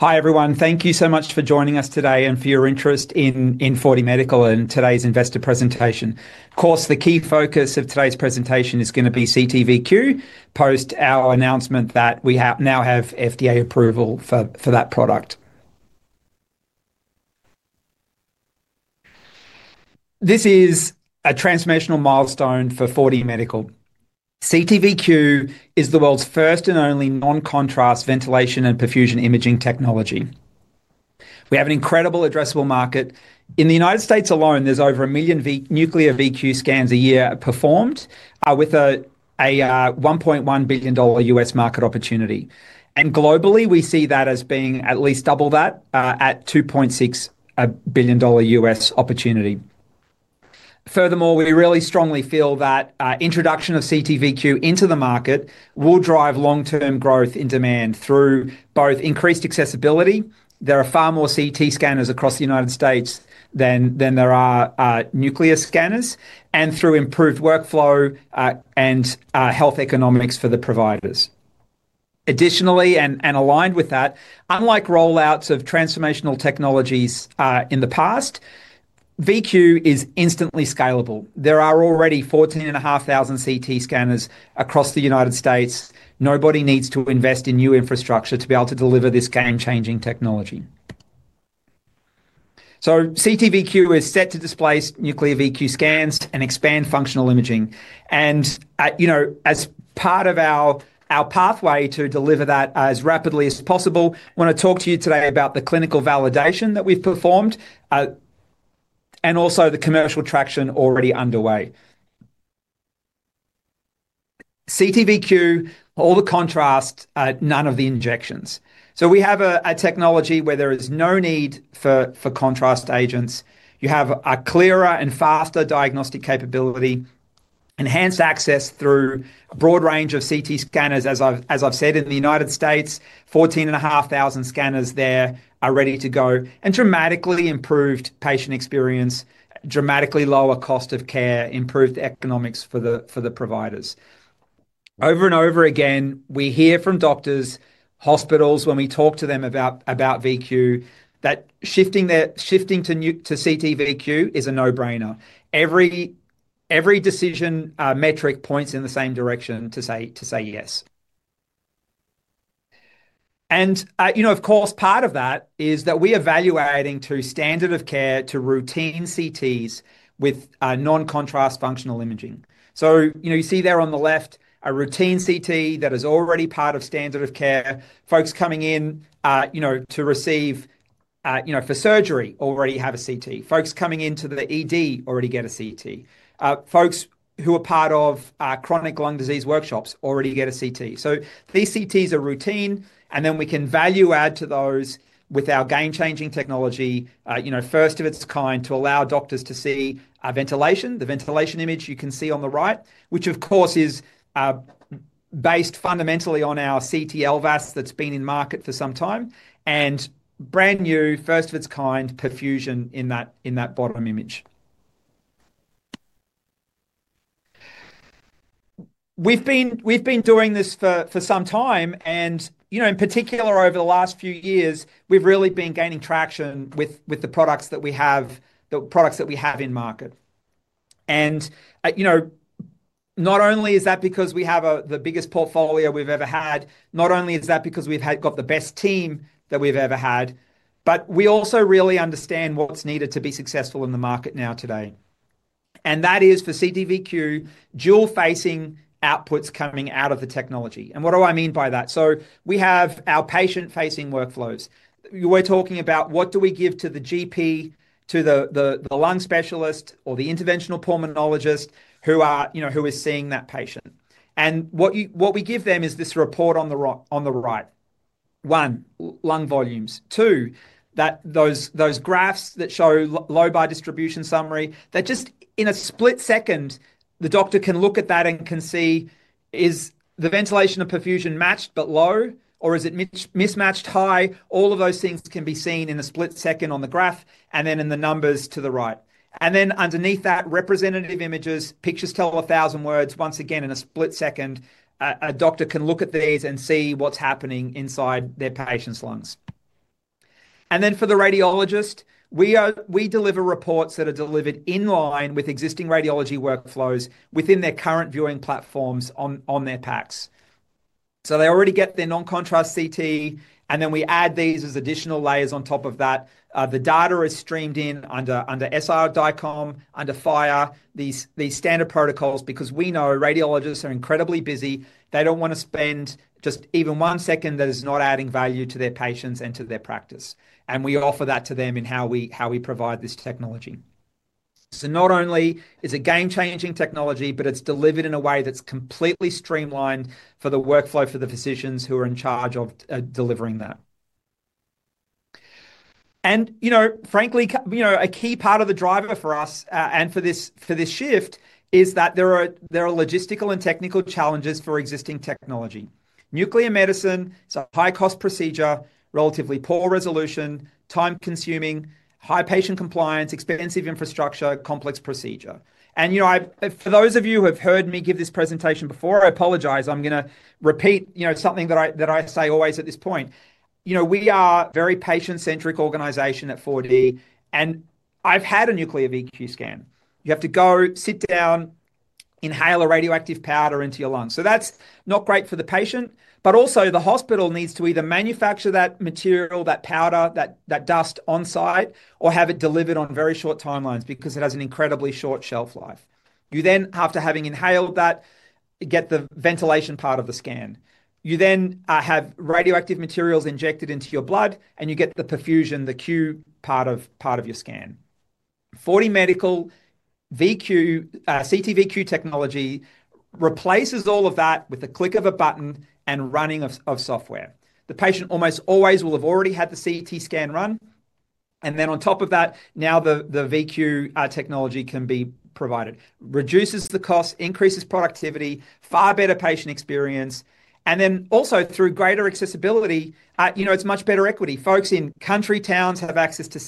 Hi everyone, thank you so much for joining us today and for your interest in 4DMedical and today's investor presentation. Of course, the key focus of today's presentation is going to be CTV-Q post our announcement that we now have FDA approval for that product. This is a transformational milestone for 4DMedical. CTV-Q is the world's first and only non-contrast ventilation and perfusion imaging technology. We have an incredible addressable market. In the United States alone, there's over a million nuclear VQ scans a year performed with a $1.1 billion US market opportunity. Globally, we see that as being at least double that at a $2.6 billion US opportunity. Furthermore, we really strongly feel that the introduction of CTV-Q into the market will drive long-term growth in demand through both increased accessibility. There are far more CT scanners across the United States than there are nuclear scanners, and through improved workflow and health economics for the providers. Additionally, and aligned with that, unlike rollouts of transformational technologies in the past, VQ is instantly scalable. There are already 14,500 CT scanners across the United States. Nobody needs to invest in new infrastructure to be able to deliver this game-changing technology. CTV-Q is set to displace nuclear VQ scans and expand functional imaging. As part of our pathway to deliver that as rapidly as possible, I want to talk to you today about the clinical validation that we've performed and also the commercial traction already underway. CTV-Q, all the contrast, none of the injections. We have a technology where there is no need for contrast agents. You have a clearer and faster diagnostic capability, enhanced access through a broad range of CT scanners. As I've said, in the United States, 14,500 scanners there are ready to go and dramatically improved patient experience, dramatically lower cost of care, improved economics for the providers. Over and over again, we hear from doctors, hospitals, when we talk to them about VQ, that shifting to CTV-Q is a no-brainer. Every decision metric points in the same direction to say yes. Part of that is that we're evaluating to standard of care to routine CTs with non-contrast functional imaging. You see there on the left a routine CT that is already part of standard of care. Folks coming in to receive, for surgery already have a CT. Folks coming into the ED already get a CT. Folks who are part of chronic lung disease workshops already get a CT. These CTs are routine, and then we can value add to those with our game-changing technology, you know, first of its kind to allow doctors to see ventilation, the ventilation image you can see on the right, which of course is based fundamentally on our CT LVAS that's been in market for some time, and brand new, first of its kind perfusion in that bottom image. We've been doing this for some time, and in particular over the last few years, we've really been gaining traction with the products that we have, the products that we have in market. Not only is that because we have the biggest portfolio we've ever had, not only is that because we've got the best team that we've ever had, but we also really understand what's needed to be successful in the market now today. That is for CTV-Q, dual-facing outputs coming out of the technology. What do I mean by that? We have our patient-facing workflows. We're talking about what do we give to the GP, to the lung specialist, or the interventional pulmonologist who are, you know, who is seeing that patient. What we give them is this report on the right. One, lung volumes. Two, those graphs that show low-bar distribution summary, that just in a split second, the doctor can look at that and can see, is the ventilation and perfusion matched but low, or is it mismatched high? All of those things can be seen in a split second on the graph, and then in the numbers to the right. Underneath that, representative images, pictures tell a thousand words, once again in a split second, a doctor can look at these and see what's happening inside their patient's lungs. For the radiologist, we deliver reports that are delivered in line with existing radiology workflows within their current viewing platforms on their PACs. They already get their non-contrast CT, and then we add these as additional layers on top of that. The data is streamed in under SRDICOM, under FIRE, these standard protocols, because we know radiologists are incredibly busy. They don't want to spend just even one second that is not adding value to their patients and to their practice. We offer that to them in how we provide this technology. Not only is it a game-changing technology, but it's delivered in a way that's completely streamlined for the workflow for the physicians who are in charge of delivering that. Frankly, a key part of the driver for us and for this shift is that there are logistical and technical challenges for existing technology. Nuclear medicine is a high-cost procedure, relatively poor resolution, time-consuming, high patient compliance, expensive infrastructure, complex procedure. For those of you who have heard me give this presentation before, I apologize. I'm going to repeat something that I say always at this point. We are a very patient-centric organization at 4DMedical, and I've had a nuclear VQ scan. You have to go sit down, inhale a radioactive powder into your lungs. That's not great for the patient, but also the hospital needs to either manufacture that material, that powder, that dust on site, or have it delivered on very short timelines because it has an incredibly short shelf life. You then have to, having inhaled that, get the ventilation part of the scan. You then have radioactive materials injected into your blood, and you get the perfusion, the Q part of your scan. 4DMedical CTV-Q technology replaces all of that with a click of a button and running of software. The patient almost always will have already had the CT scan run. On top of that, now the VQ technology can be provided. Reduces the cost, increases productivity, far better patient experience, and then also through greater accessibility, it's much better equity. Folks in country towns have access to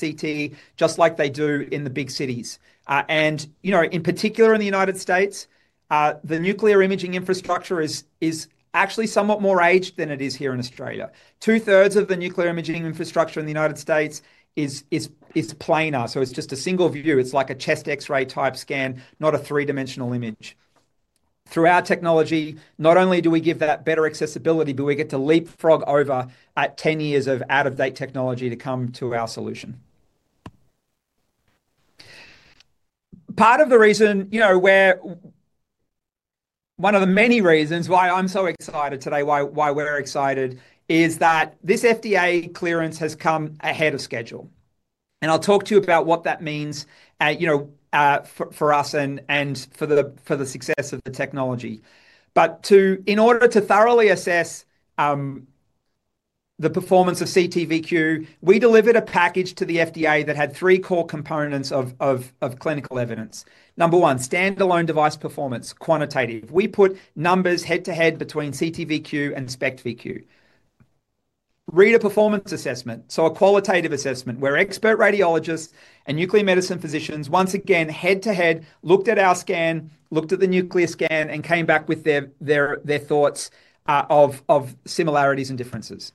CT just like they do in the big cities. In particular in the United States, the nuclear imaging infrastructure is actually somewhat more aged than it is here in Australia. Two-thirds of the nuclear imaging infrastructure in the United States is planar. It's just a single view. It's like a chest X-ray type scan, not a three-dimensional image. Through our technology, not only do we give that better accessibility, but we get to leapfrog over at 10 years of out-of-date technology to come to our solution. Part of the reason, one of the many reasons why I'm so excited today, why we're excited, is that this FDA clearance has come ahead of schedule. I'll talk to you about what that means for us and for the success of the technology. In order to thoroughly assess the performance of CTV-Q, we delivered a package to the FDA that had three core components of clinical evidence. Number one, standalone device performance, quantitative. We put numbers head-to-head between CTV-Q and SPECT VQ. Reader performance assessment, a qualitative assessment where expert radiologists and nuclear medicine physicians, once again, head-to-head looked at our scan, looked at the nuclear scan, and came back with their thoughts of similarities and differences.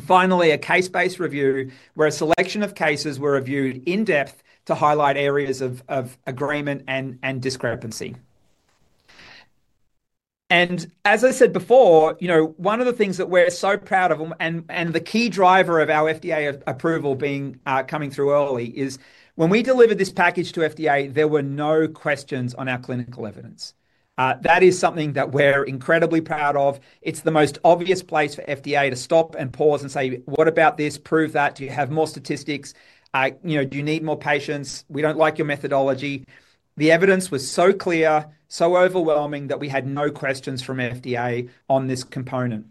Finally, a case-based review where a selection of cases were reviewed in depth to highlight areas of agreement and discrepancy. As I said before, one of the things that we're so proud of and the key driver of our FDA approval coming through early is when we delivered this package to FDA, there were no questions on our clinical evidence. That is something that we're incredibly proud of. It's the most obvious place for FDA to stop and pause and say, what about this? Prove that. Do you have more statistics? Do you need more patients? We don't like your methodology. The evidence was so clear, so overwhelming that we had no questions from FDA on this component.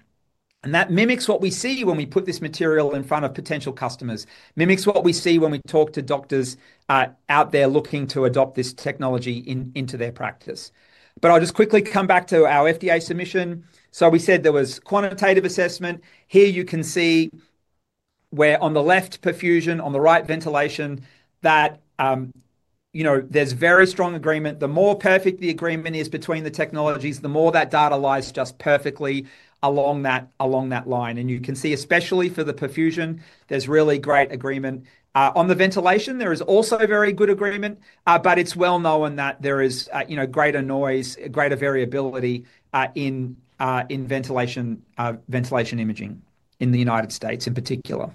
That mimics what we see when we put this material in front of potential customers, mimics what we see when we talk to doctors out there looking to adopt this technology into their practice. I'll just quickly come back to our FDA submission. We said there was quantitative assessment. Here you can see where on the left, perfusion, on the right, ventilation, that there's very strong agreement. The more perfect the agreement is between the technologies, the more that data lies just perfectly along that line. You can see, especially for the perfusion, there's really great agreement. On the ventilation, there is also very good agreement, but it's well known that there is greater noise, greater variability in ventilation imaging in the United States in particular.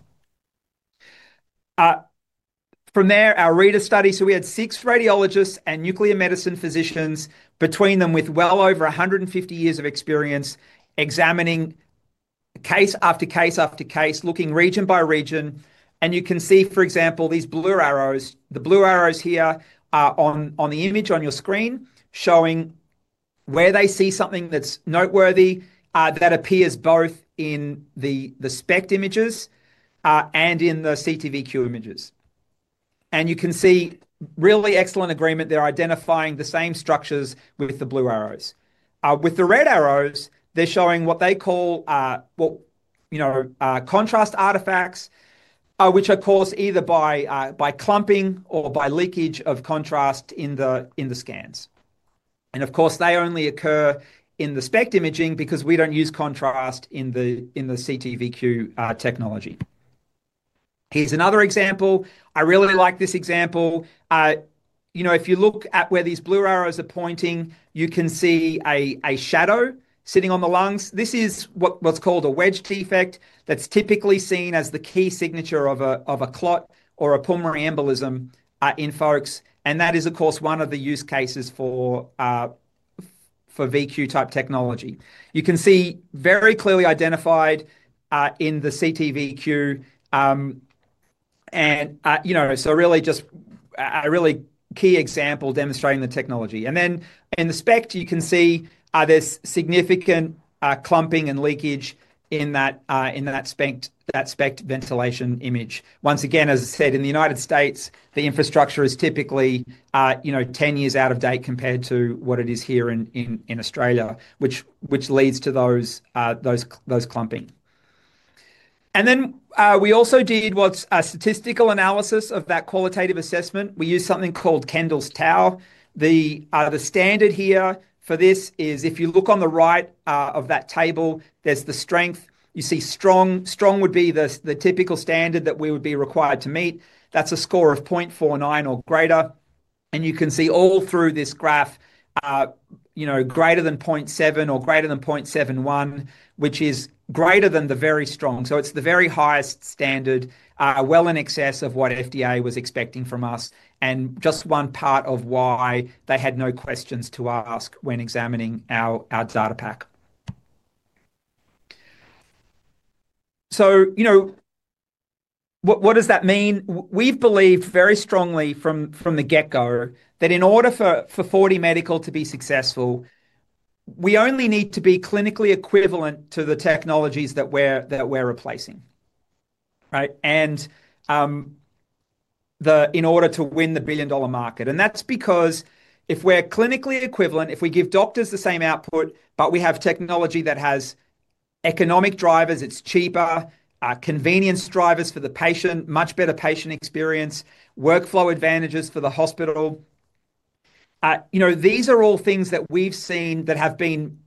From there, our reader study, we had six radiologists and nuclear medicine physicians between them with well over 150 years of experience examining case after case after case, looking region by region. You can see, for example, these blue arrows, the blue arrows here on the image on your screen showing where they see something that's noteworthy that appears both in the SPECT images and in the CTV-Q images. You can see really excellent agreement. They're identifying the same structures with the blue arrows. With the red arrows, they're showing what they call, you know, contrast artifacts, which are caused either by clumping or by leakage of contrast in the scans. Of course, they only occur in the SPECT imaging because we don't use contrast in the CTV-Q technology. Here's another example. I really like this example. If you look at where these blue arrows are pointing, you can see a shadow sitting on the lungs. This is what's called a wedge defect that's typically seen as the key signature of a clot or a pulmonary embolism in folks. That is, of course, one of the use cases for VQ-type technology. You can see very clearly identified in the CTV-Q. Really just a really key example demonstrating the technology. In the SPECT, you can see there's significant clumping and leakage in that SPECT ventilation image. Once again, as I said, in the United States, the infrastructure is typically, you know, 10 years out of date compared to what it is here in Australia, which leads to those clumping. We also did a statistical analysis of that qualitative assessment. We used something called Kendall's Tau. The standard here for this is if you look on the right of that table, there's the strength. You see strong would be the typical standard that we would be required to meet. That's a score of 0.49 or greater. You can see all through this graph, you know, greater than 0.7 or greater than 0.71, which is greater than the very strong. It's the very highest standard, well in excess of what FDA was expecting from us and just one part of why they had no questions to ask when examining our data pack. What does that mean? We believe very strongly from the get-go that in order for 4DMedical to be successful, we only need to be clinically equivalent to the technologies that we're replacing, right? In order to win the billion-dollar market. That's because if we're clinically equivalent, if we give doctors the same output, but we have technology that has economic drivers, it's cheaper, convenience drivers for the patient, much better patient experience, workflow advantages for the hospital. These are all things that we've seen that have been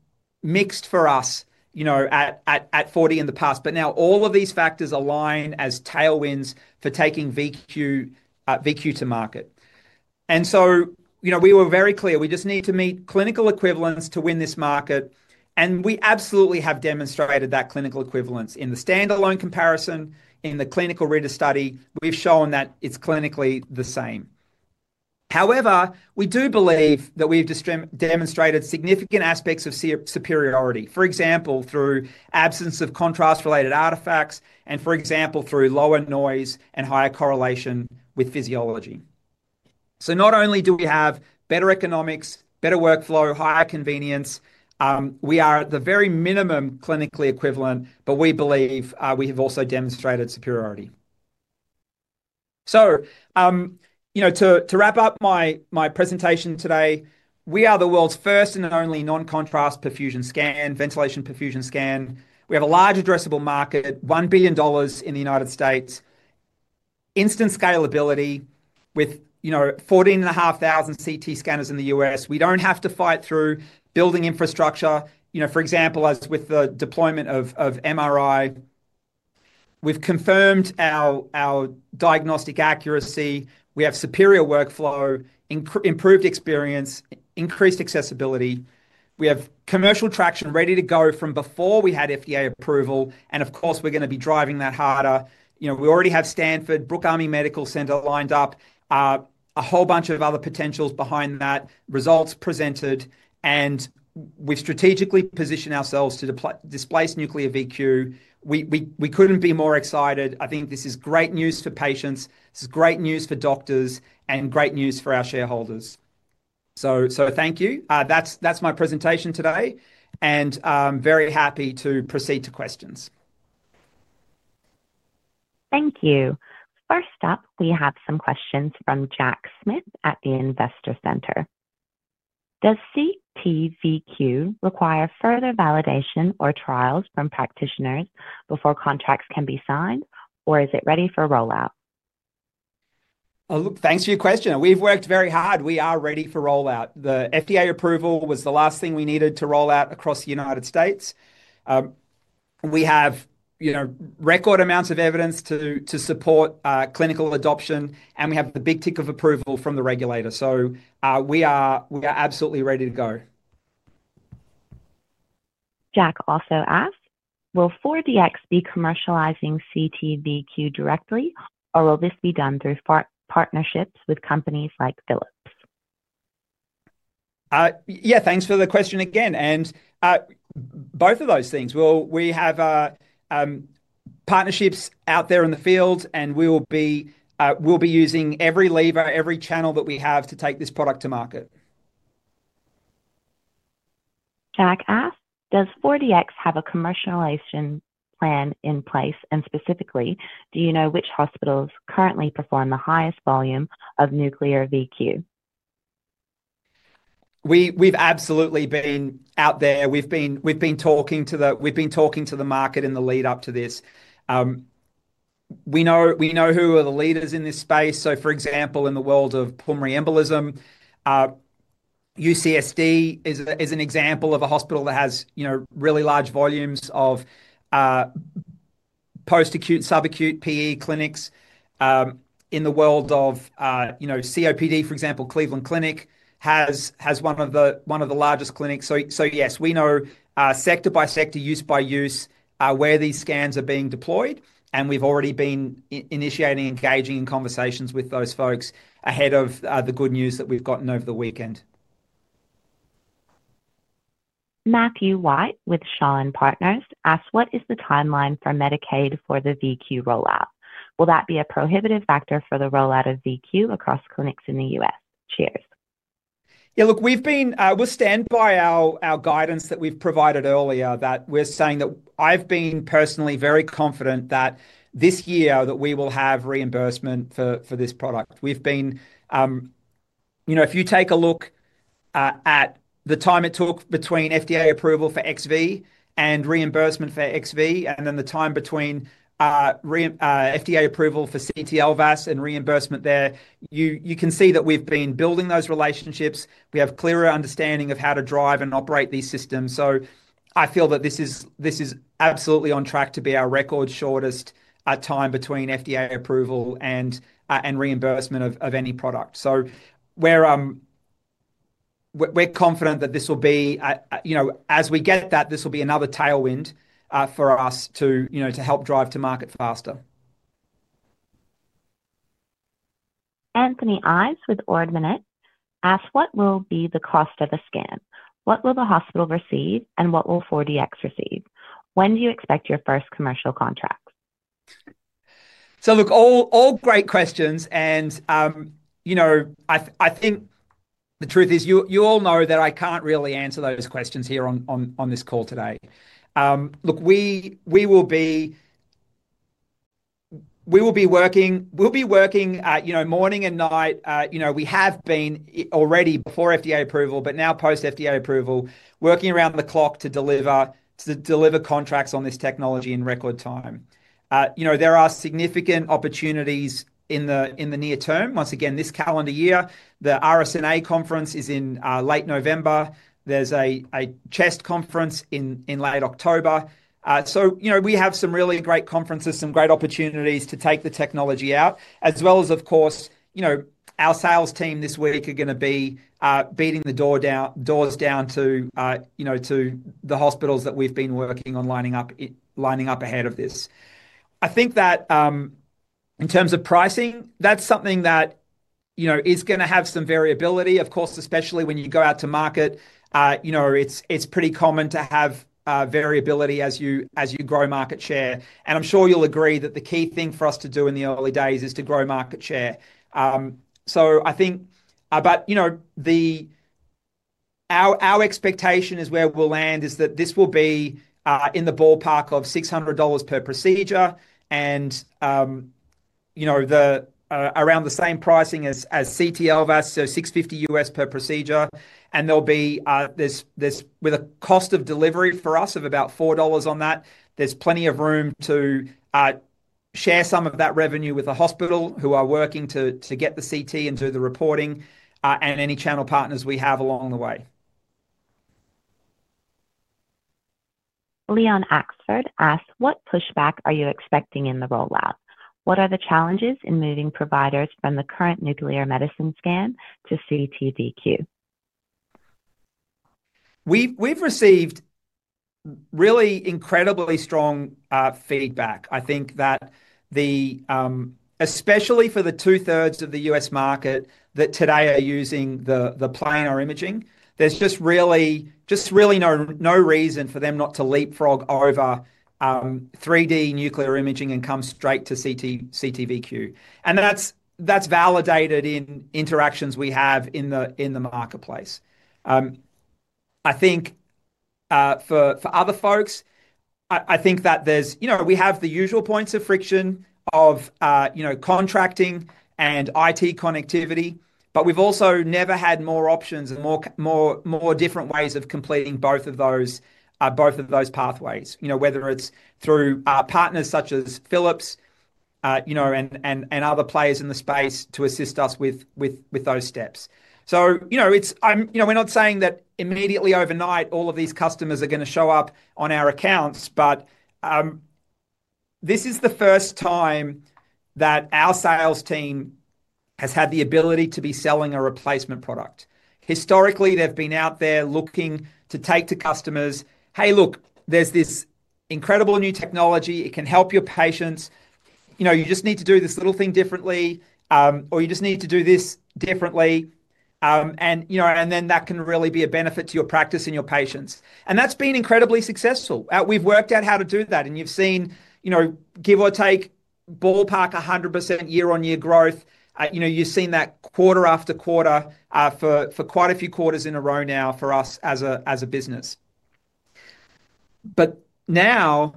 mixed for us, you know, at 4D in the past. Now all of these factors align as tailwinds for taking VQ to market. We were very clear. We just need to meet clinical equivalence to win this market. We absolutely have demonstrated that clinical equivalence. In the standalone comparison, in the clinical reader study, we've shown that it's clinically the same. However, we do believe that we've demonstrated significant aspects of superiority, for example, through absence of contrast-related artifacts and, for example, through lower noise and higher correlation with physiology. Not only do we have better economics, better workflow, higher convenience, we are at the very minimum clinically equivalent, but we believe we have also demonstrated superiority. To wrap up my presentation today, we are the world's first and only non-contrast perfusion scan, ventilation perfusion scan. We have a large addressable market, $1 billion in the United States, instant scalability with 14,500 CT scanners in the U.S. We don't have to fight through building infrastructure, for example, as with the deployment of MRI. We've confirmed our diagnostic accuracy. We have superior workflow, improved experience, increased accessibility. We have commercial traction ready to go from before we had FDA approval. Of course, we're going to be driving that harder. We already have Stanford University, Brooke Army Medical Center lined up, a whole bunch of other potentials behind that, results presented, and we've strategically positioned ourselves to displace nuclear VQ. We couldn't be more excited. I think this is great news for patients. This is great news for doctors and great news for our shareholders. Thank you. That's my presentation today. I'm very happy to proceed to questions. Thank you. First up, we have some questions from Jack Smith at the Investor Center. Does CTV-Q require further validation or trials from practitioners before contracts can be signed, or is it ready for rollout? Thanks for your question. We've worked very hard. We are ready for rollout. The FDA approval was the last thing we needed to roll out across the United States. We have record amounts of evidence to support clinical adoption, and we have the big tick of approval from the regulator. We are absolutely ready to go. Jack also asks, will 4DMedical be commercializing CTV-Q directly, or will this be done through partnerships with companies like Philips? Thank you for the question again. Both of those things, we have partnerships out there in the field, and we'll be using every lever, every channel that we have to take this product to market. Jack asks, does 4DMedical have a commercialization plan in place, and specifically, do you know which hospitals currently perform the highest volume of nuclear VQ? We've absolutely been out there. We've been talking to the market in the lead-up to this. We know who are the leaders in this space. For example, in the world of pulmonary embolism, UC San Diego Health is an example of a hospital that has really large volumes of post-acute, subacute PE clinics. In the world of COPD, for example, Cleveland Clinic has one of the largest clinics. Yes, we know sector by sector, use by use, where these scans are being deployed, and we've already been initiating and engaging in conversations with those folks ahead of the good news that we've gotten over the weekend. Matthew White with Shawn Partners asks, what is the timeline for Medicaid for the VQ rollout? Will that be a prohibitive factor for the rollout of VQ across clinics in the U.S.? Cheers. Yeah, look, we've been, we'll stand by our guidance that we've provided earlier, that we're saying that I've been personally very confident that this year that we will have reimbursement for this product. If you take a look at the time it took between FDA approval for XV and reimbursement for XV, and then the time between FDA approval for CT LVAS and reimbursement there, you can see that we've been building those relationships. We have a clearer understanding of how to drive and operate these systems. I feel that this is absolutely on track to be our record shortest time between FDA approval and reimbursement of any product. We're confident that this will be, as we get that, this will be another tailwind for us to help drive to market faster. Anthony Ives with Ordminet asks, what will be the cost of the scan? What will the hospital receive, and what will 4DMedical receive? When do you expect your first commercial contract? All great questions, and I think the truth is you all know that I can't really answer those questions here on this call today. We will be working, we'll be working morning and night. We have been already before FDA approval, but now post-FDA approval, working around the clock to deliver contracts on this technology in record time. There are significant opportunities in the near term. Once again, this calendar year, the RSNA conference is in late November. There's a chest conference in late October. We have some really great conferences, some great opportunities to take the technology out, as well as, of course, our sales team this week are going to be beating the doors down to the hospitals that we've been working on lining up ahead of this. I think that in terms of pricing, that's something that is going to have some variability. Of course, especially when you go out to market, it's pretty common to have variability as you grow market share. I'm sure you'll agree that the key thing for us to do in the early days is to grow market share. I think, but our expectation is where we'll land is that this will be in the ballpark of $600 per procedure and around the same pricing as CT LVAS, so $650 US per procedure. There'll be, there's with a cost of delivery for us of about $4 on that, there's plenty of room to share some of that revenue with the hospital who are working to get the CT and do the reporting and any channel partners we have along the way. Leon Oxford asks, what pushback are you expecting in the rollout? What are the challenges in moving providers from the current nuclear medicine scan to CTV-Q? We've received really incredibly strong feedback. I think that especially for the two-thirds of the U.S. market that today are using the planar imaging, there's just really no reason for them not to leapfrog over 3D nuclear imaging and come straight to CTV-Q. That's validated in interactions we have in the marketplace. I think for other folks, there's, you know, we have the usual points of friction of contracting and IT connectivity, but we've also never had more options and more different ways of completing both of those pathways, whether it's through partners such as Philips and other players in the space to assist us with those steps. We're not saying that immediately overnight all of these customers are going to show up on our accounts, but this is the first time that our sales team has had the ability to be selling a replacement product. Historically, they've been out there looking to take to customers, "Hey, look, there's this incredible new technology. It can help your patients. You just need to do this little thing differently, or you just need to do this differently." That can really be a benefit to your practice and your patients. That's been incredibly successful. We've worked out how to do that. You've seen, give or take, ballpark 100% year-on-year growth. You've seen that quarter after quarter for quite a few quarters in a row now for us as a business. Now,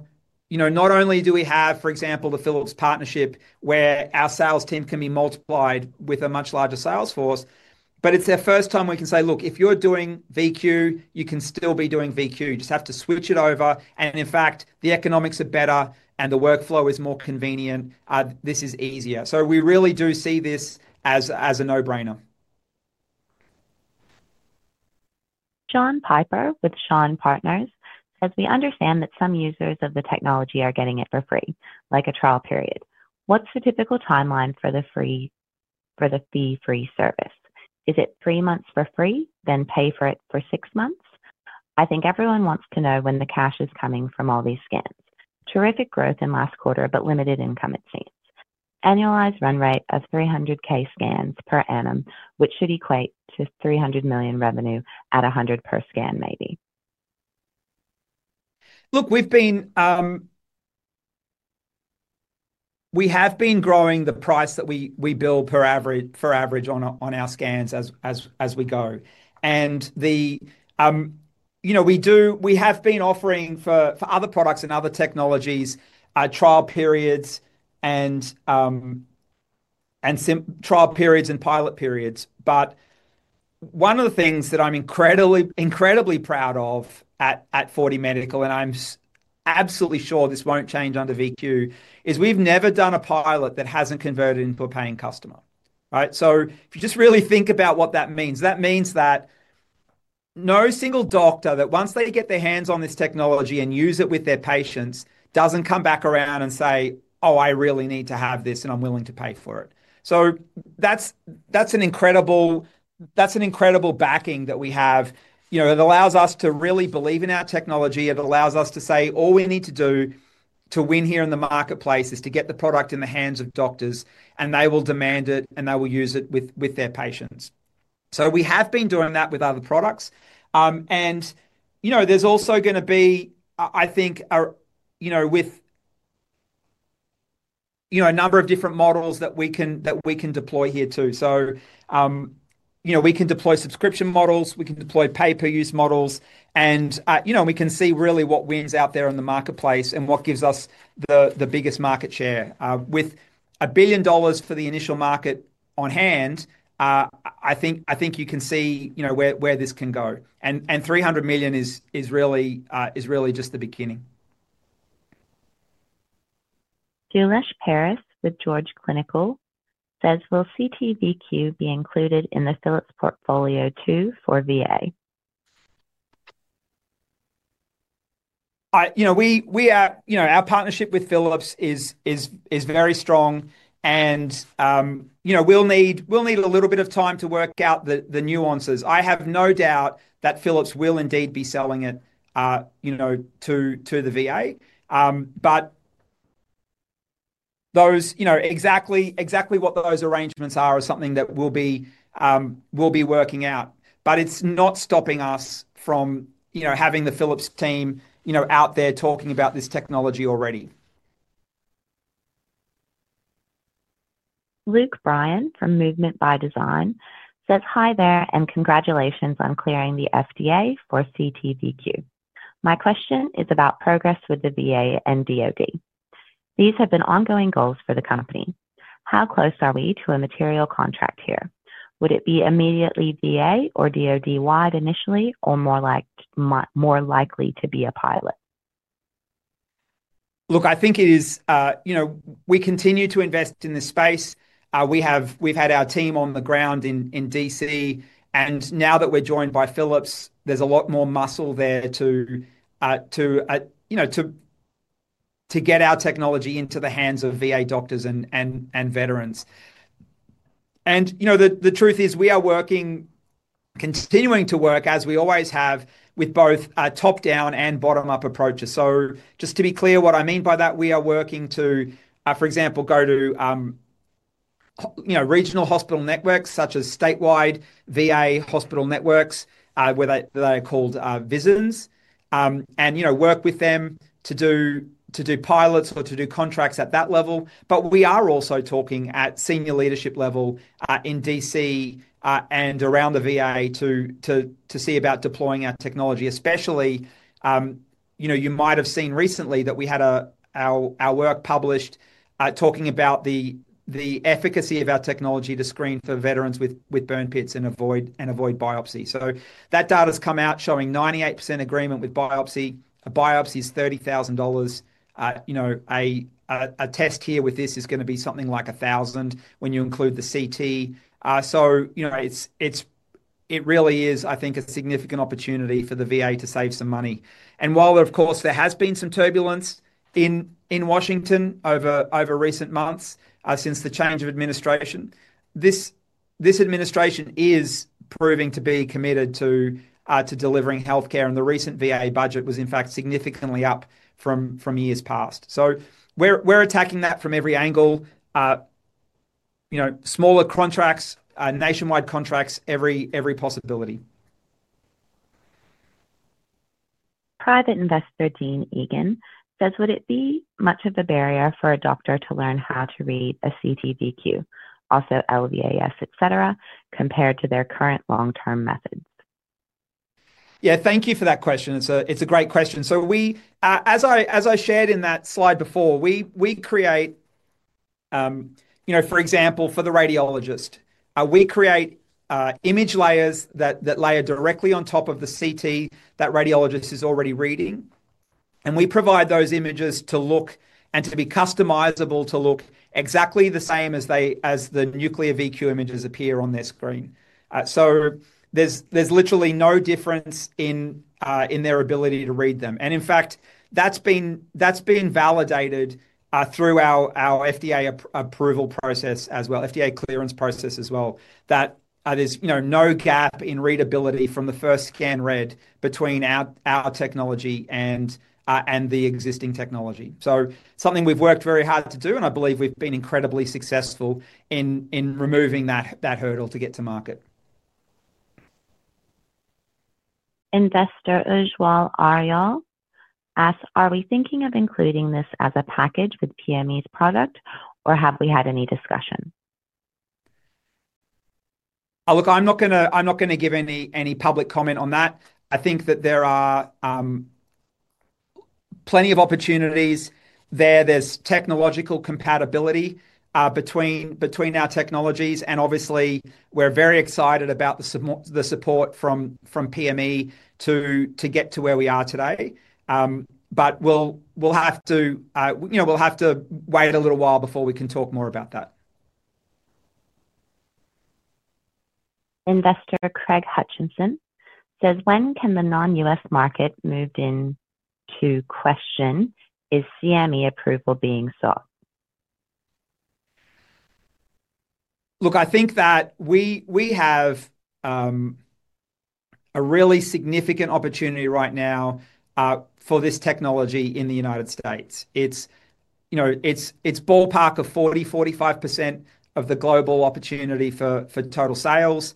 not only do we have, for example, the Philips partnership where our sales team can be multiplied with a much larger sales force, but it's the first time we can say, "Look, if you're doing VQ, you can still be doing VQ. You just have to switch it over." In fact, the economics are better and the workflow is more convenient. This is easier. We really do see this as a no-brainer. John Piper with Shawn Partners, as we understand that some users of the technology are getting it for free, like a trial period, what's the typical timeline for the fee-free service? Is it three months for free, then pay for it for six months? I think everyone wants to know when the cash is coming from all these scans. Terrific growth in last quarter, but limited income, it seems. Annualized run rate of 300,000 scans per annum, which should equate to $30 million revenue at $100 per scan, maybe. Look, we have been growing the price that we bill per average on our scans as we go. We have been offering for other products and other technologies trial periods and pilot periods. One of the things that I'm incredibly, incredibly proud of at 4DMedical, and I'm absolutely sure this won't change under VQ, is we've never done a pilot that hasn't converted into a paying customer. If you just really think about what that means, that means that no single doctor that once they get their hands on this technology and use it with their patients doesn't come back around and say, "Oh, I really need to have this and I'm willing to pay for it." That's an incredible backing that we have. It allows us to really believe in our technology. It allows us to say all we need to do to win here in the marketplace is to get the product in the hands of doctors, and they will demand it and they will use it with their patients. We have been doing that with other products. There's also going to be, I think, a number of different models that we can deploy here too. We can deploy subscription models, we can deploy pay-per-use models, and we can see really what wins out there in the marketplace and what gives us the biggest market share. With $1 billion for the initial market on hand, I think you can see where this can go. $300 million is really just the beginning. Jules Paris with George Clinical says, will CTV-Q be included in the Philips portfolio too for VA? Our partnership with Philips is very strong. We will need a little bit of time to work out the nuances. I have no doubt that Philips will indeed be selling it to the VA. Exactly what those arrangements are is something that we will be working out. It is not stopping us from having the Philips team out there talking about this technology already. Luke Bryan from Movement by Design says, hi there and congratulations on clearing the FDA for CTV-Q. My question is about progress with the VA and Department of Defense. These have been ongoing goals for the company. How close are we to a material contract here? Would it be immediately VA or Department of Defense-wide initially, or more likely to be a pilot? Look, I think it is, you know, we continue to invest in this space. We have, we've had our team on the ground in DC, and now that we're joined by Philips, there's a lot more muscle there to, you know, to get our technology into the hands of VA doctors and veterans. The truth is we are working, continuing to work, as we always have, with both top-down and bottom-up approaches. Just to be clear, what I mean by that, we are working to, for example, go to, you know, regional hospital networks such as statewide VA hospital networks, where they are called VISNs, and, you know, work with them to do pilots or to do contracts at that level. We are also talking at senior leadership level in DC and around the VA to see about deploying our technology, especially, you know, you might have seen recently that we had our work published talking about the efficacy of our technology to screen for veterans with burn pits and avoid biopsy. That data's come out showing 98% agreement with biopsy. A biopsy is $30,000. You know, a test here with this is going to be something like $1,000 when you include the CT. It really is, I think, a significant opportunity for the VA to save some money. While, of course, there has been some turbulence in Washington over recent months since the change of administration, this administration is proving to be committed to delivering healthcare, and the recent VA budget was, in fact, significantly up from years past. We're attacking that from every angle. You know, smaller contracts, nationwide contracts, every possibility. Private investor Dean Egan says, would it be much of a barrier for a doctor to learn how to read a CTV-Q, also LVAS, etc., compared to their current long-term methods? Thank you for that question. It's a great question. As I shared in that slide before, we create, for example, for the radiologist, we create image layers that layer directly on top of the CT that radiologist is already reading. We provide those images to look and to be customizable to look exactly the same as the nuclear VQ images appear on their screen. There's literally no difference in their ability to read them. In fact, that's been validated through our FDA approval process as well, FDA clearance process as well, that there's no gap in readability from the first scan read between our technology and the existing technology. That's something we've worked very hard to do, and I believe we've been incredibly successful in removing that hurdle to get to market. Investor Ujwal Arial asks, are we thinking of including this as a package with PME's product, or have we had any discussion? Look, I'm not going to give any public comment on that. I think that there are plenty of opportunities there. There's technological compatibility between our technologies, and obviously, we're very excited about the support from Pro Medicus to get to where we are today. We'll have to wait a little while before we can talk more about that. Investor Craig Hutchinson says, when can the non-U.S. market move into question, is CME approval being sought? I think that we have a really significant opportunity right now for this technology in the United States. It's ballpark of 40, 45% of the global opportunity for total sales,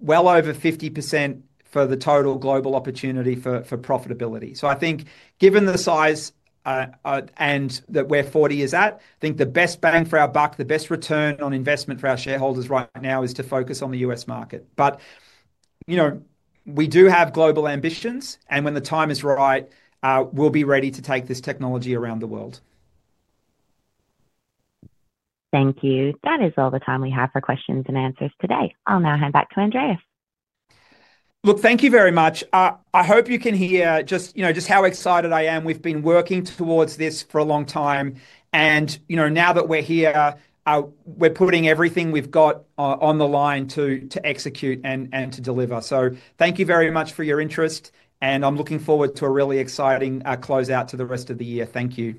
well over 50% for the total global opportunity for profitability. I think given the size and that where 4DMedical is at, I think the best bang for our buck, the best return on investment for our shareholders right now is to focus on the U.S. market. We do have global ambitions, and when the time is right, we'll be ready to take this technology around the world. Thank you. That is all the time we have for questions and answers today. I'll now hand back to Andreas. Thank you very much. I hope you can hear just how excited I am. We've been working towards this for a long time, and now that we're here, we're putting everything we've got on the line to execute and to deliver. Thank you very much for your interest, and I'm looking forward to a really exciting closeout to the rest of the year. Thank you.